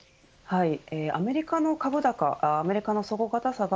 アメリカの株高アメリカの底堅さが